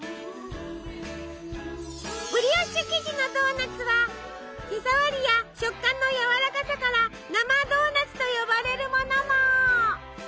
ブリオッシュ生地のドーナツは手触りや食感のやわらかさから生ドーナツと呼ばれるものも。